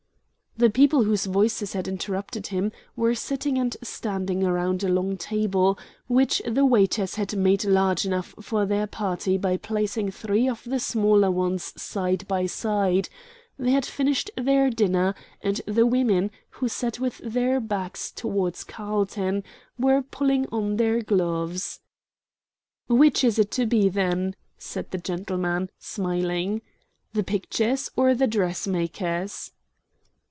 The people whose voices had interrupted him were sitting and standing around a long table, which the waiters had made large enough for their party by placing three of the smaller ones side by side; they had finished their dinner, and the women, who sat with their backs towards Carlton, were pulling on their gloves. "Which is it to be, then?" said the gentleman, smiling. "The pictures or the dressmakers?"